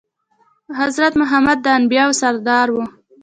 حضرت محمد د انبياوو سردار وو.